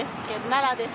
奈良です。